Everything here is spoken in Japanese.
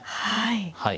はい。